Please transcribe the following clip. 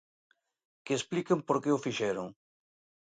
Que expliquen por que o fixeron.